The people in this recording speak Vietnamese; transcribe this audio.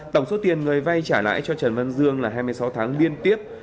tổng số tiền người vay trả lãi cho trần văn dương là hai mươi sáu tháng liên tiếp